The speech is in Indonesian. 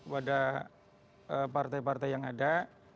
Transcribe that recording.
pada partai partai yang ada